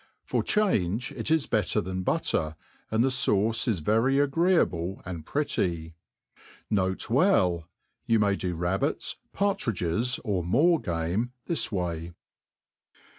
For change it is better than butter, and the faucc is very agreeable and pretty. N. B. You may do rabbits, partridges, or moor game this way.